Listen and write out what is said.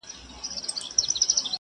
بیک په اوږه کړه او کار ته لاړ شه.